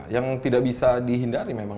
yang tidak bisa dihindari memang